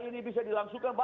ini bagi saya keterlaluan